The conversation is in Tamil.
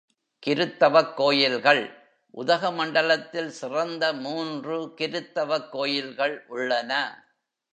கிருத்தவக் கோயில்கள் உதகமண்டலத்தில் சிறந்த மூன்று கிருத்தவக் கோயில்கள் உள்ளன.